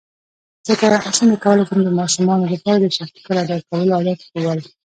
څنګه کولی شم د ماشومانو لپاره د شکر ادا کولو عادت ښوول